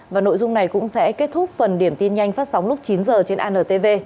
và nội dung này cũng sẽ kết thúc phần điểm tin nhanh phát sóng lúc chín h trên antv